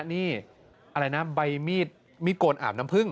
นี่อะไรนะใบมีดมีดโกนอาบน้ำพึ่ง